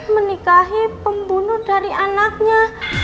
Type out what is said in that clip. menikahi pembunuh dari anaknya